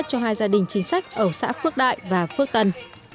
cho hai gia đình chính sách ở xã phước đại và phước tân